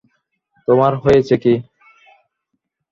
তোমার হয়েছে কী?